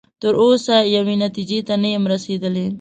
تر اوسه یوې نتیجې ته نه یم رسیدلی.